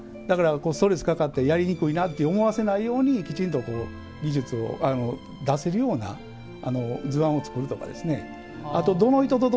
だから、ストレスかかってやりにくいなって思わせないようきちんと技術を出せるような図案を作るとかですね。